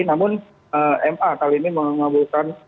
namun ma kali ini mengabulkan